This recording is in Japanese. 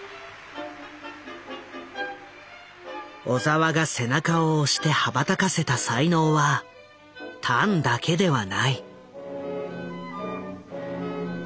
小澤が背中を押して羽ばたかせた才能はタンだけではない。